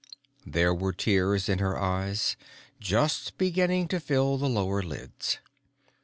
There were tears in her eyes, just beginning to fill the lower lids.